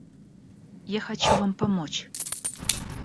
Я хочу вам помочь.